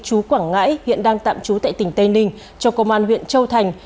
chú quảng ngãi hiện đang tạm trú tại tỉnh tây ninh cho công an huyện châu thành